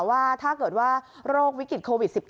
ว่าถ้าเกิดว่าโรควิกฤตโควิด๑๙